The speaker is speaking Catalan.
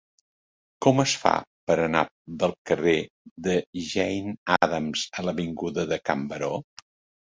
Com es fa per anar del carrer de Jane Addams a l'avinguda de Can Baró?